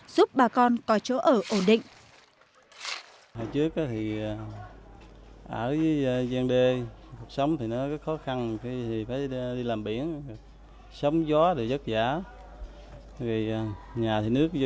giúp bà con có chỗ ở ổn định